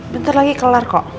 bentar lagi kelar kok